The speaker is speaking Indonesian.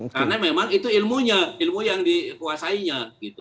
karena memang itu ilmunya ilmu yang dikuasainya